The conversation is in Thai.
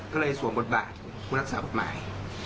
ก็เลยสวมบทบาทผู้รักษากฎหมาย